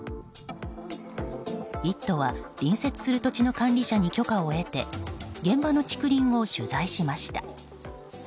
「イット！」は隣接する土地の管理者に許可を得て現場の竹林を取材しました。